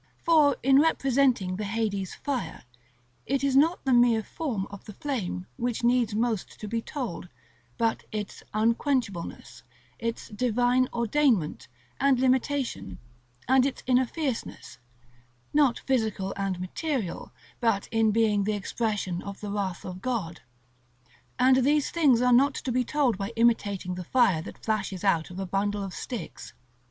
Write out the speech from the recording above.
For in representing the Hades fire, it is not the mere form of the flame which needs most to be told, but its unquenchableness, its Divine ordainment and limitation, and its inner fierceness, not physical and material, but in being the expression of the wrath of God. And these things are not to be told by imitating the fire that flashes out of a bundle of sticks.